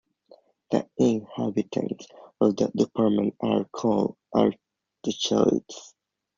The inhabitants of the department are called "Ardéchois".